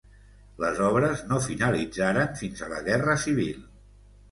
Les obres no finalitzaren fins a la Guerra Civil.